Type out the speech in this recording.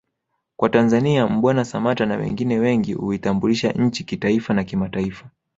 kwa Tanzania Mbwana Samata na wengine wengi uitambulisha nchi kitaifa na kimataifa